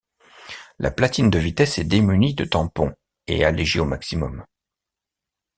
La platine de vitesse est démunie de tampon et allégée au maximum.